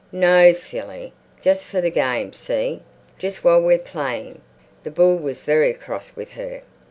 "No, silly. Just for the game, see? Just while we're playing." The bull was very cross with her.